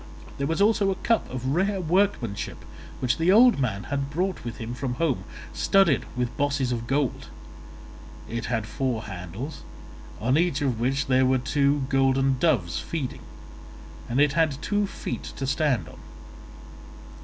There was also a cup of rare workmanship which the old man had brought with him from home, studded with bosses of gold; it had four handles, on each of which there were two golden doves feeding, and it had two feet to stand on.